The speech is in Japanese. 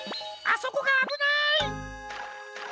あそこがあぶない！